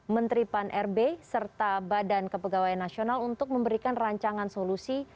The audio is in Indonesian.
menteri pan rb serta badan kepegawaian nasional untuk memberikan rancangan solusi